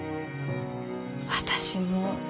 私も。